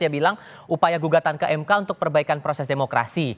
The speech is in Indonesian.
dia bilang upaya gugatan ke mk untuk perbaikan proses demokrasi